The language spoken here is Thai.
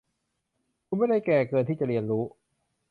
คุณไม่ได้แก่เกินที่จะเรียนรู้